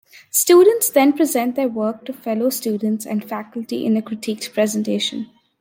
Students then present their work to fellow-students and faculty in a critiqued presentation.